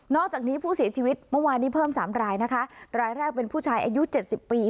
อกจากนี้ผู้เสียชีวิตเมื่อวานนี้เพิ่มสามรายนะคะรายแรกเป็นผู้ชายอายุเจ็ดสิบปี